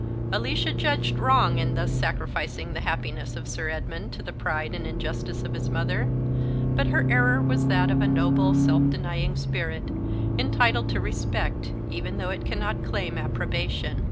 Alicia judged wrong in thus sacrificing the happiness of Sir Edmund to the pride and injustice of his mother; but her error was that of a noble, self denying spirit, entitled to respect, even though it cannot claim approbation.